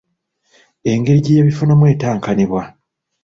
Engeri gye yabifunamu etankanibwa.